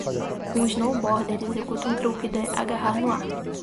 Um snowboarder executa um truque de agarrar no ar.